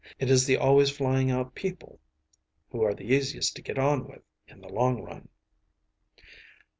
It is the always flying out people who are the easiest to get on with in the long run.